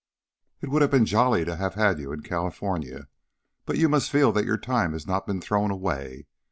"It would have been jolly to have had you in California. But you must feel that your time has not been thrown away.